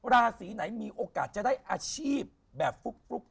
ราศีไหนมีโอกาสจะได้อาชีพแบบฟลุก